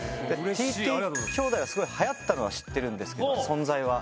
ＴＴ兄弟がすごい流行ったのは知ってるんですけど存在は。